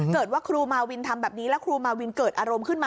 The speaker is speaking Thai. ว่าครูมาวินทำแบบนี้แล้วครูมาวินเกิดอารมณ์ขึ้นมา